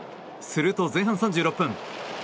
すると、前半３６分。